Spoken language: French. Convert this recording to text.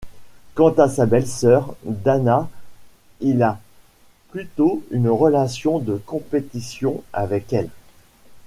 Quant à sa belle-sœur, Dana, il a plutôt une relation de compétition avec elle.